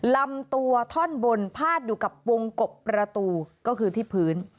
ลำตัวท่อนบนพาดอยู่กับวงกบประตูก็คือที่พื้น